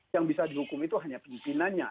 yang bisa dihukum itu hanya pimpinannya